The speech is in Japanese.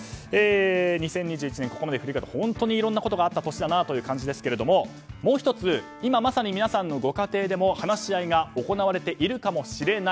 ２０２１年、ここまで振り返って本当にいろんなことがあった年だなという感じですがもう１つ、今まさに皆さんのご家庭でも話し合いが行われているかもしれない。